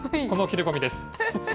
この切れ込みです。